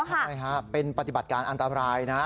ใช่ฮะเป็นปฏิบัติการอันตรายนะ